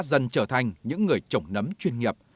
dần trở thành những người trồng nấm chuyên nghiệp